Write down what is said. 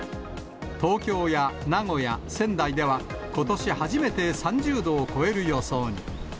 東京や名古屋、仙台では、ことし初めて３０度を超える予想に。